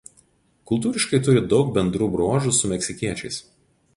Kultūriškai turi daug bendrų bruožų su meksikiečiais.